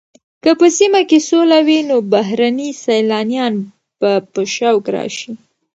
که په سیمه کې سوله وي نو بهرني سېلانیان به په شوق راشي.